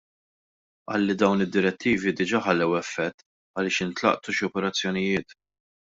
Qal li dawn id-direttivi diġa' ħallew effett għaliex intlaqtu xi operazzjonijiet.